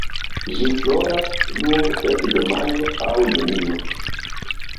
Ĝi floras nur ekde majo aŭ junio.